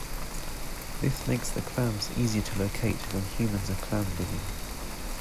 This makes the clams easier to locate when humans are clam digging.